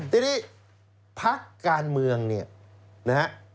ทีนี้พักการเมืองเนี่ยนะฮะ